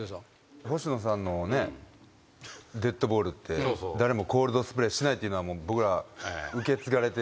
星野さんのデッドボールって誰もコールドスプレーしないっていうのは僕ら。